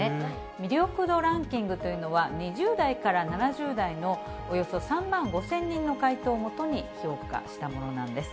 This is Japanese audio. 魅力度ランキングというのは、２０代から７０代のおよそ３万５０００人の回答を基に評価したものなんです。